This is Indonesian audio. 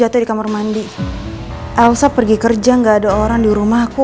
tidak ada orang di rumah aku